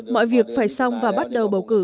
mọi việc phải xong và bắt đầu bầu cử